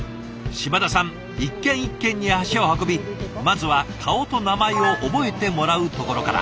嶋田さん一軒一軒に足を運びまずは顔と名前を覚えてもらうところから。